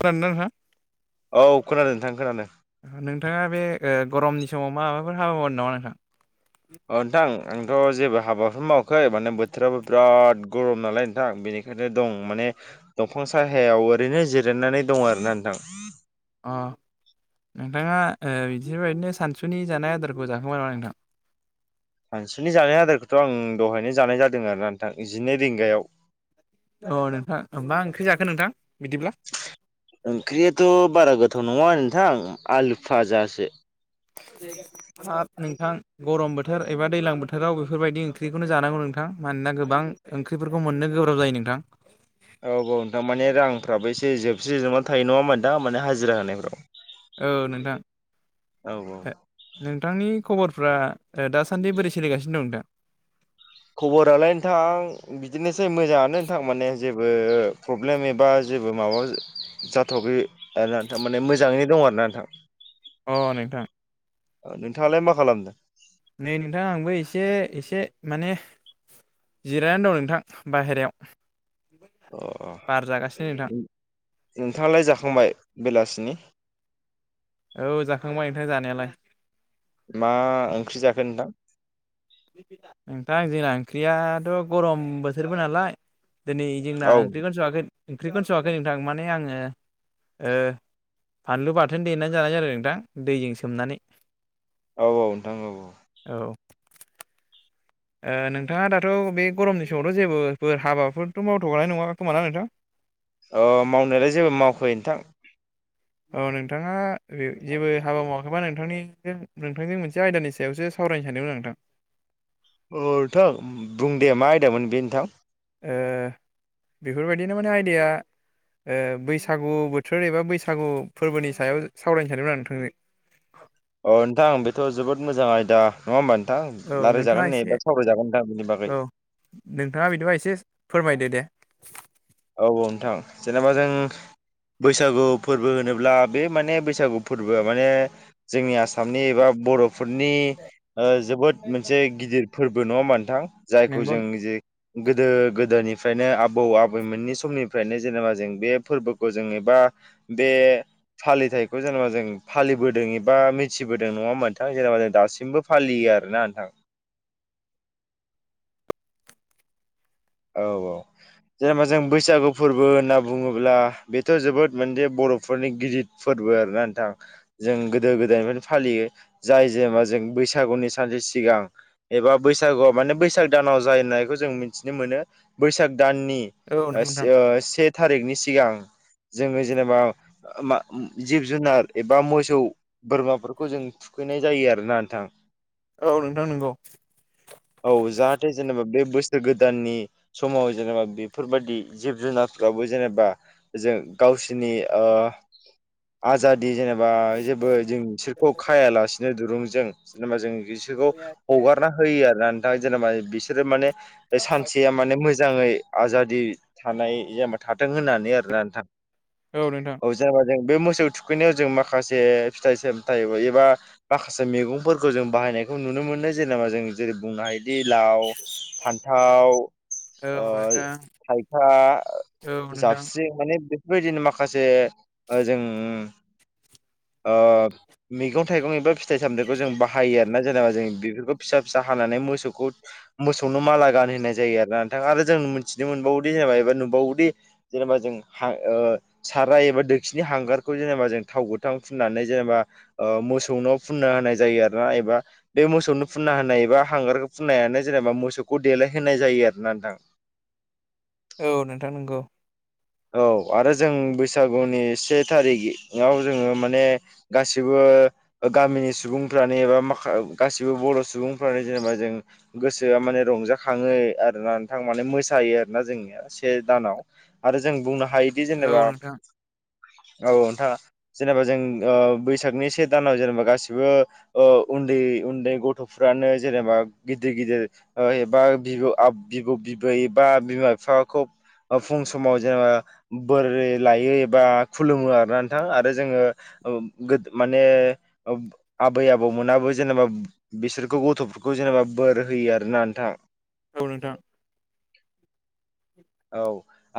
खोनादोंना औ खोनादों नोंथां खोनादों नोंथाङा बे ओ गरमनि समाव माबाफोर हाबा मावोन नामा नोंथां अ नोंथां आंथ' जेबो हाबाफोर मावखै माने बोथोराबो बिराद गरम नालाय नोंथां बेनिखायनो दं माने दंफां साहायाव ओरैनो जिरायनानै दं आरोना नोंथां आ नोंथाङा ओ बिदिबायदिनो सानसुनि जानाय आदारखौ जाखांबाय नामा नोंथां सानसुनि जानाय आदारखौथ' आं दहायनो जानाय जादों आरो नोंथां जिनै रिंगायाव अ नोंथां मा ओंख्रि जाखो नोंथां बिदिब्ला? ओंख्रियाथ' बारा गोथाव नङा नोंथां आलु फाजासो हाब नोंथां गरम बोथोर एबा दैजलां बोथोराव बेफोरबायदि ओंख्रिखौनो जानांगौ नोंथां मानोना गोबां ओंख्रिफोरखौ मोननो गोब्राब जायो नोंथां औ औ नोंथां माने रांफ्राबो एसे जोबस्रिजोबनानै थायो नङा होनबा नोंथां माने हाजिरा होनायफ्राव औ नोंथां औ औ नोंथांनि खबरफ्रा दासान्दि बोरै सोलिगासिनो दं नोंथां खबरालाय नोंथां बिदिनोसै मोजाङानो नोंथां माने जेबो प्रब्लेम एबा जेबो माबा जाथखै आरोना नोंथां माने मोजाङैनो दं आरोना नोंथां अ नोंथां नोंथाङालाय मा खालामदों नै नोंथा आंबो एसे एसे माने जिरायनानै दं नोंथां बाहेरायाव अ बार जागासिनो नोंथां। नोंथाङालाय जाखांबाय बेलासि नि औ जाखांबाय नोंथां जानायालाय मा ओंख्रि जाखोन नोंथां नोंथां जोंना ओंख्रियाथ' गरम बोथोरबो नालाय दिनै जोंना औ ओंख्रिखौनो स'वाखै ओंख्रिखौनो स'वाखै नोंथां माने आङो फानलु बाथोन देनानै जानाय जादों नोंथां दैजों सोमनानै औ औ नोंथां औ औ औ ओ नोंथाङा दाथ' बे गरमनि समावथ' जेबोफोर हाबाफोरथ' मावथ'गौानाय नङा खोमा ना नोंथां अ मावनायालाय जेबो मावखै नोंथां औ नोंथाङा जेबो हाबा मावाखैबा नोंथांनि नोंथांजों मोनसे आयदानि सायावसो स सावरायनो सानदोंमोन आं नोंथां अ नोंथां बुंदे मा आयदामोन बे नोंथां ओ बेफोरबायदिनो माने आयदाया ओ बैसागु बोथोर एबा बैसागु फोरबोनि सायाव सावरायनो सानदोंमोन आं नोंथांजों [unintelligible] अ नोंथां बेथ' जोबोद मोजां आयदा नङा होमबानो औ नोंथां नोंथाङा लारायजागोन एसे एबा सावरायजागोन नोंथां बिनि बागै औ नोंथाङा बिदिबा एसे फोरमायदो दे औ औ नोंथां जेनेबा जों बैसागु फोरबो होनोब्ला बे माने बैसागु फोरबोआ माने जोंनि आसामनि एबा बर'फोरनि ओ जोबोद मोनसे गिदिर फोरबो नङा मोनथां जायखौ नंगौ जों जे गोदो गोदोनिफ्रायनो आबौ आबौ बै मोननि समनिफ्रायनो जेनेबा जों बे फोरबोखौ जों एबा बे फालिथायखौ जों जेनेबा जों फालिबोदों एबा मिथिबोदों नङा होमबा नोंथां जेनेबा जों दासिमबो फालियो आरोना नोंथां [inaudible] औ औ जेनेबा जों बैसागु फोरबो होनना बुङोब्ला बेथ' जोबोद मोदे ब बर'फोरनि गिदिद फोरबो आरो ना नोंथां जों गोदो गोदायनिफ्रायनो फालियो जाय जेना जों बैसागुनि सानसे सिगां एबा बैसागुआव माने बैसाग दानाव जायो होननायखौ जों मिथि नो मोनो बैसाग दाननि औ नंगौ ओ नोंथां से थारिखनि सिगां जोङो जेनेबा मा जिब जुनार एबा मोसौ बोरमाफोरखौ जों थुखैनाय जायो आरो ना नोंथां औ नोंथां नंगौ औ जाहाथे जेनेबा बे दाननि समाव जेनेबा बेफोरबादि जिब जुनारफ्राबो जेनेबा जों गावसिर नि ओ आजाद दि जेनेबा जेबो जों बिसोरखौ खायालासिनो दुरुंजों जेनेबा जों बिसोरखौ औ नोंथां हगारना होयो आरोना नोंथाङा जेनेबा बिसोरो माने सानसेया माने मो जाङै आजादि थानाय जेनेबा था दों होननानै आरोना नोंथां औ जेनबा जों बे मोसौ थुखैनायाव जों माखासे फिथाइ सामथाइ एबा माखासे मैगंफोरखौ जों बाहाय नायखौ नुनो मोनो जेनेबा जों जेरै बुंनो हायोदि लाव फान्थाव ओ औ थाइखा नोंथां जाबस्रि माने बे बायदिनो माखासे जों ओ मैगं थाइगं एबा फिथाइ सामथाइखौ जों बा हायो आरोना जेनेबा जों बेफोरखौ फिसा फिसा हानानै मोसौखौ मोसौनो माला गान होनाय जायो आरो ना नोंथां आरो जों मिथिनो मोनबावदि जेनेबा एबा नुबावोदि जेनेबा जों हा ओ साराइ एबा दोखिनि हांगारखौ जेनेबा जों थाव गोथां फुननानै जेनेबा ओ मोसौनाव फुन फुनना होनाय जायो आरोना एबा बे मोसौनो फुनना होनाय एबा हांगार फुननायानो जेनेबा मोसौ खौ देलायहोनाय जायो आरोना नोंथां औ नोंथां नंगौ औ आरो जों बैसागुनि से थारिखआव जोङो माने गासिबो बो गामिनि सुबुंफ्रानो एबा गासिबो बर' सुबुंफ्रानो जेनेबा जों गोसो माने रंजाखाङो आरोना नोंथां माने मोसायो आरो ना जोंनिया से दानाव आरो जों बुंनो हायोदि औ जेनेबा नोंथां औ नोंथां जेनेबा जों ओ बैसागनि से दानाव जेनेबा गासिबो ओ उन्दै उन्दै गथ'फ्रानो जेनेबा गिदिर गिदिर ओ एबा बिब-बिब बैबा बिमा बिफाखौ ओ फं समाव जोङो बोरै लायो एबा खुलुमो आरोना नोंथां आरो जोङो ओ माने आबै आबौ मोनाबो जेनेबा बिसोरखौ गथ'फोरखौ जेनेबा बोर होयो आरोना नोंथां औ नोंथां औ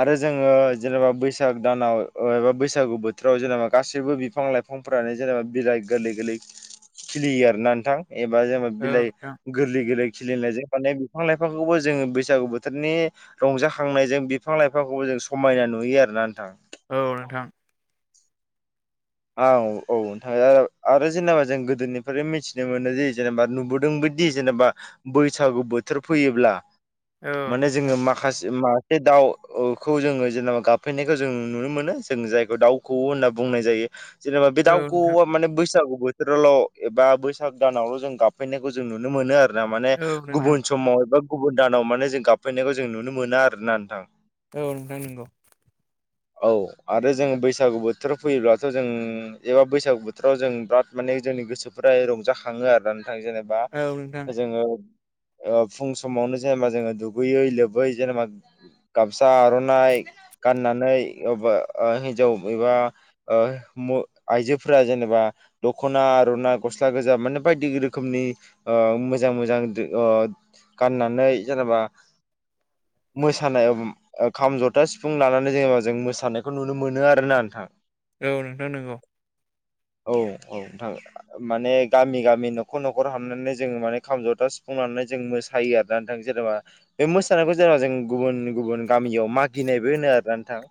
आरो जोङो जेनेबा बैसाग दानाव एबा बैसागु बोथोराव जेनेबा गासैबो बिफां लाइफांफोर रानो जेनेबा बिलाइ गोरलै गोरलै खिलियो आरोना नोंथां एबा जेनेबा औ बिलाइ गोरलै गोरलै खिलिनायजों माने बिफां लाइफांखौबो जोङो बैसागु बोथोरनि रंजाखांनायजों बिफां लाइ खौबो जों समायना नुयो आरोना नोंथां औ नोंथां औ औ नोंथां आरो जेनेबा जों गोदोनिफ्राय मिथिनो मोनो जे जेनेबा नुबोदों बि जेनेबा बैसागु बोथोर फैयोब्ला औ माने नोंथां जोङो माखासे मा बे दाउखौ जोङो जेनेबा गाबफैनायखौ जों नुनो मोनो जों जायखौ दाउ खौवो होनना बुंनाय जायो जेनेबा बे औ दाउ नोंथां खौवौवा माने बैसौ बोथोरावल' एबा बैसाग दानावल' जों गाबफैनायखौ जों नुनो मोनो आरो ना माने औ नोंथां गुबुन समाव एबा गुबुन दानाव माने जों गाबफैनायखौ जों नुनो मोना आरोना नोंथां औ नोंथां नंगौ औ आरो जोङो बैसागु बोथोर फैयोब्ला थ' जों एबा बैसागु बोथोराव जों बिराद माने जोंनि गोसोफोरा रंजाखाङो आरो ना जेनेबा औ नोंथां जोङो ओ फुं समावनो जेनेबा जोङो दुगैयै लोबै जेनेबा गामसा आर'नाइ गाननानै अबा ओ हिन्जाव एबा ओ मु आइजोफोरा जेनेबा दखना आर'ना गस्ला गोजा माने बायदि रोखोमनि ना ओ मोजां मोजां ओ गाननानै जेनेबा [inaudible] मोसानाय खाम जथा सिफुं लानानै जेनेबा जों मोसानायखौ नुनो मोनो आरो ना नोंथां औ नोंथां नंगौ औ औ नोंथां माने गामि गामि न'खर न'खर हाबनानै जोङो माने खामजथा सिुफुं लानानै जों मोसायो आरोना नोंथां जेनेबा बे मोसानायखौ जोंहा जों गुबुन गुबुन गामियाव मागिनायबो होनो आरोना नोंथां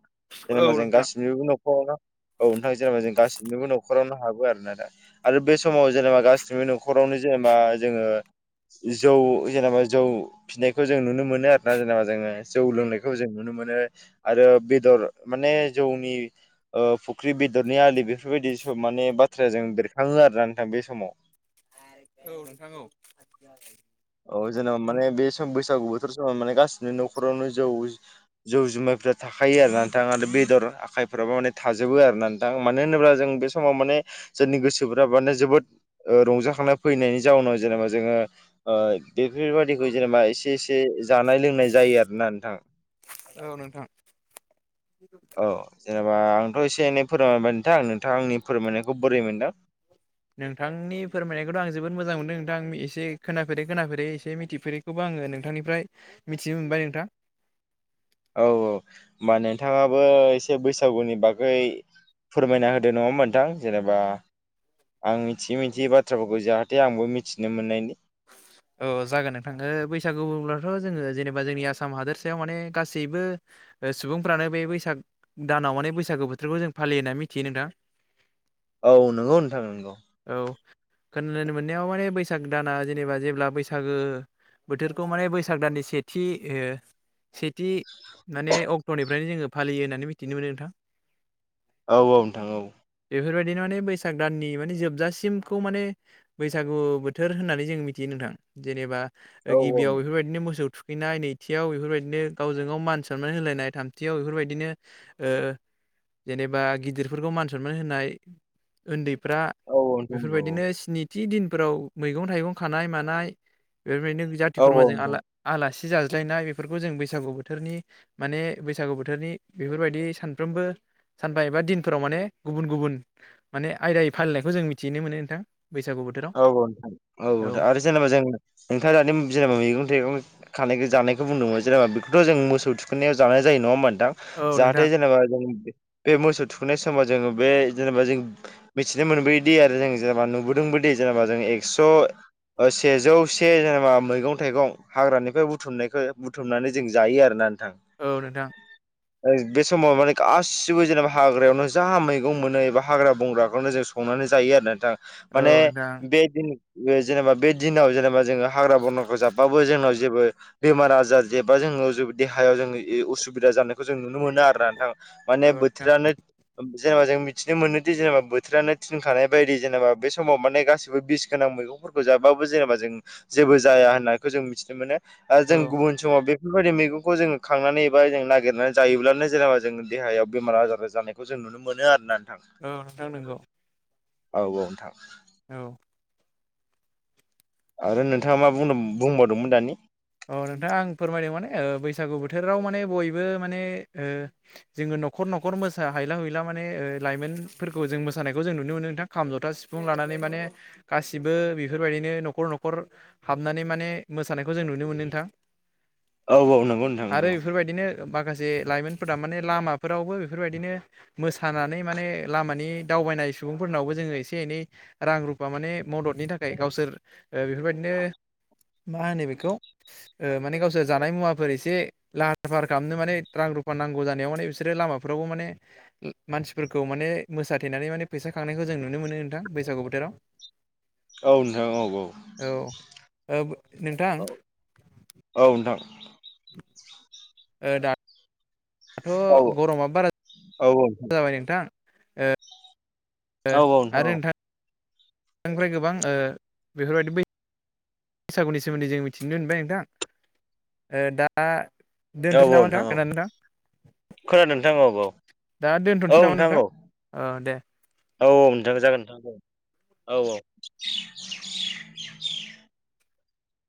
औ जेनेबा जों नोंथां गासिनिबो न'खराव औ नोंथां जेनेबा जों गासिनिबो न'खरावनो हाबो आरो ना दा आरो बे समाव जेनेबा गासिनिबो न'खराव रावनो जेनेबा जोङो जौ जेनेबा जौ फिनायखौ जों नुनो मोनो आरो ना जेनेबा जोङो जौ लोंनायखौ जों नुनो मोनो मोनो आरो बेदर माने जौनि ओ फुख्रि बेदरनि आलि बेफोरबायदि सब माने बाथ्राया जों बेरखाङो आरोना नोंथां बे समाव औ नोंथां औ औ जेनेबा माने बे सम बैसागु बोथोर समाव माने गासिबो न'खरावनो जौ जौ जुमायफ्रा थाखायो आरोना नोंथां आरो बेदर आखाइफोराबो माने थाजोबो आरोना नोंथां मानो होनोब्ला जों बे समाव माने जोंनि गोसोफ्रा ओ माने जोबोद रंजा खांनाय फैनायनि जाउनाव जेनेबा जोङो ओ बेफोरबायादिखौ जेनेबा एसे एसे जानाय लोंनाय जायो आरोना नोंथां औ नोंथां औ जेनेबा बा आंथ' एसे एनै फोरमायबाय नोंथां नोंथाङा आंनि फोरमायनायखौ बोरै मोनदों नोंथांनि फोरमायनायखौथ' आं जोबोद मोजां मोनदों नोंथां एसे खोनाफेरै खोनाफेरै एसे मिथिफेरैखौबो आं आङो नोंथांनिफ्राय मिथिनो मोनबाय नोंथां औ-औ होमबा नोंथाङाबो एसे बैसागुनि बागै फोरमायना होदो नङा होनबा नोंथां जेनेबा आं मिथियै - मिथियै बाथ्राफोरखौ जाहाथे आंबो मिथिनो मोननायनि औ जागोन नोंथाङो बैसागु बब्लाथ' जोङो जेनेबा जोंनि आसाम हादोरसायाव माने गासैबो सुबुंफ्रानो बे बैसाग दानाव माने बैसागो बोथोरखौ जों फालियो होनानै मिथियो नोंथां औ नंगौ नोंथां नंगौ औ खोनानो मोननायाव माने बैसाग दाना जेनेबा जे जब्ला बैसागो बोथोरखौ माने बैसाग दाननि सेथि ओ सेथि माने अक्ट'निफ्रायनो जोङो फालियो होननानै मिथिनो मोनो नोंथां औ - औ नोंथां औ बेफोरबायदिनो माने बैसाग दाननि माने जोबजासिमखौ माने बैसागु बोथोर होननानै जों मिथि नोंथां जेनेबा औ औ गिबियाव बेफोरबायदिनो मोसौ थुखैनाय नैथियाव बेफोरबायदिनो गावजों गाव मान सनमान होलायनाय थामथियाव बेफोरबायदिनो ओ जेनेबा गिदिरफोरखौ मान सनमान होनाय उन्दै फोरा औ औ नोंथां औ बेफोरबायदिनो स्निथि दिनफोराव मैगं थाइगं खानाय मानाय बेफोरबायदिनो जाथि औ औ खुरमाजों नोंथां आला आलासि जाज्लायनाय बेफोरखौ जों बैसागु बोथोरनि माने बैसागु बोथोरनि बेफोरबायदि सानफ्रोमबो सानफा एबा दिनफोराव माने गुबुन गुबुन माने आयदायै फालिनायखौ जों मिथिनो मोनो नोंथां बैसागु बोथोराव औ औ नोंथां औ औ आरो जेनेबा जों नोंथाङा दानि जेनेबा मैगं थाइगं खानायखौ जानायखौ बुंदोंमोन जेनेबा बेखौथ' जों मोसौ थुखोननाय जानाय जायो नङा होम थां औ जाहाथे नोंथां जेनेबा जों बे मोसौ थुखैनाय समाव जोङो बे जेनेबा जों मिथिनो मोनबोयोदि आरो जों जेनेबा नुबोदों बोदि दे जेनेबा जों एक्स' सेजौ से जेनेबा मैगं थाइगं हाग्रानिफ्राय बुथुमनायखौ बुथुमनानै जों जायो आरोना नोंथां औ नोंथां बे समाव माने गासिबो जेनेबा हाग्रायावनो जा मैगं मोनो एबा हाग्रा बंग्राखौनो जों संनानै जायो आरो ना नोंथां औ माने नोंथां बे दिन जेनेबा बे दिनाव जेनेबा जोङो हाग्रा बंग्राखौ जाबा बो जोंनाव जेबो बेमार आजार जेबा जोंनाव जों देहायाव जेबो असुबिदा जानायखौ जों नुनो मोना आरो ना नोंथां माने औ नोंथां बोथोरानो जेनेबा जों मिथिनो मोनोदि जेनेबा बोथोरानो थिनखानाय बायदि जेनेबा बे समाव माने गासिबो बिस गोनां मैगंफोरखौ जाबाबो जेनेबा जों जेबो जाया होननायखौ जों मिथिनो मोनो आरो जों औ गुबुन समाव बे बेफोरबायदि मैगंखौ जोङो खांनानै एबा जों नागिरनानै जायोब्लानो जेनेबा जों देहायाव बेमार आजार जानायखौ जों नुनो मोनो आरोना औ नोंथां नंगौ औ औ नोंथां औ आरो नों अ नोंथां आं फोरमायदों माने ओ बैसागु बोथोराव माने बयबो माने ओ जोङो न'खर नखर मोसा हायला हुला माने ओ लाइमोनफोरखौ जों मोसानायखौ जों नुनो मोनो नोंथां खाम ज'था सिफुं ला माने माने गासिबो बेफोरबायदिनो न'खर न'खर हाबनानै माने मोसानायखौ जों नुनो मोन नुनो मोनो नोंथां औ औ नंगौ नोंथां आरो नंगौ बेफोरबायदिनो माखासे जे लाइमोनफोरा माने लामाफोरावबो बेफोरबायदिनो मोसानानै माने लामानि दावबायनाय सुबुंफोरनावबो जोङो एसे एनै रां रुफा माने मददनि थाखाय गावसोर बेफोरबायदिनो ओ मा होनो बेखौ ओ माने गावसोर जानाय मुवाफोर एसे लाहार फाहार खालामनो माने रां रुफा नांगौ जानायाव माने बिसोरो लामाफ्रावबो माने मानसिफोरखौ माने मोसाथेनानै माने फैसा खांनायखौ जों नुनो मोनो नोंथां बैसागु सागु बोथोराव औ नोंथां औ औ ओ नोंथां औ औ औ नोंथां ओ दाथ' औ गरमा बारा औ नोंथां जाबाय नोंथां ओ औ औ नोंथां औ बेनिफ्राय गोबां ओ बेफोरबायदि बै बैसागुनि सोमोन्दै जों मिथिनो मोनबाय नोंथां ओ दा औ दोनथ'सै नामा नोंथां औ खोनादोंना खोनादों नोंथां औ औ दोनथ'नोसै औ नामा नोंथां औ औ दे औ औ नोंथां जागोन नोंथां औ औ